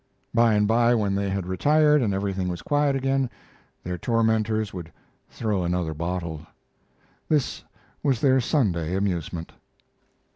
By and by, when they had retired and everything was quiet again, their tormentors would throw another bottle. This was their Sunday amusement.